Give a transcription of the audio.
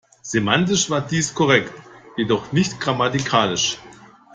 Semantisch war dies korrekt, jedoch nicht grammatikalisch.